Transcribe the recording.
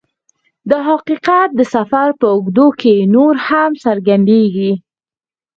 دا حقیقت د سفر په اوږدو کې نور هم څرګندیږي